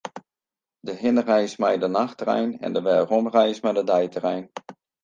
De hinnereis is mei de nachttrein en de weromreis mei de deitrein.